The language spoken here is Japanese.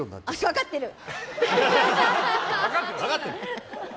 分かってる！